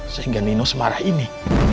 sehingga nino semarah ini